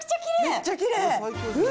めっちゃきれい。